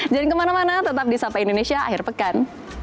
jangan kemana mana tetap di sapa indonesia akhir pekan